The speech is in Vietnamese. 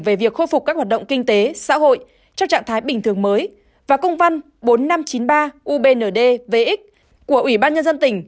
về việc khôi phục các hoạt động kinh tế xã hội trong trạng thái bình thường mới và công văn bốn nghìn năm trăm chín mươi ba ubndv của ủy ban nhân dân tỉnh